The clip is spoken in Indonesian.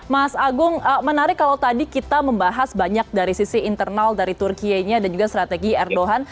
mas agung menarik kalau tadi kita membahas banyak dari sisi internal dari turkiye nya dan juga strategi erdogan